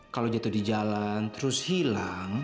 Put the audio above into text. kalau jatuh di jalan terus hilang